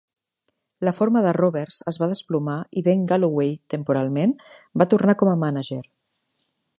La forma de Rovers es va desplomar i Ben Galloway, temporalment, va tornar com a manager.